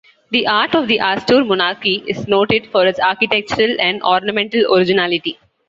The art of the Astur monarchy is noted for its architectural and ornamental originality.